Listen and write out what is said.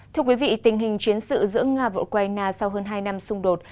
thưa quý vị tình hình chiến sự giữa nga và ukraine sau hơn hai năm xung đột